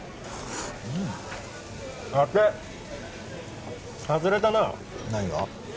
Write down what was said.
当て外れたな何が？